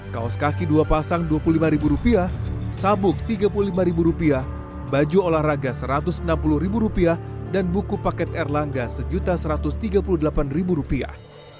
kaos kaki dua pasang dua puluh lima rupiah sabuk tiga puluh lima rupiah baju olahraga satu ratus enam puluh rupiah dan buku paket erlangga satu satu ratus tiga puluh delapan rupiah